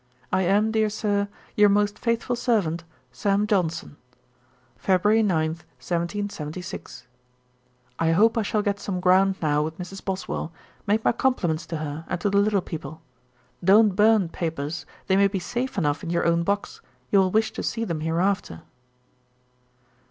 'I am, dear Sir, 'Your most faithful servant, 'SAM. JOHNSON.' 'Feb. 9. 1776.' 'I hope I shall get some ground now with Mrs. Boswell; make my compliments to her, and to the little people. 'Don't burn papers; they may be safe enough in your own box, you will wish to see them hereafter.'